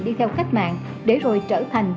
đi theo khách mạng để rồi trở thành